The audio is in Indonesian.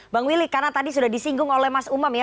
bang willy karena tadi sudah disinggung oleh mas umam ya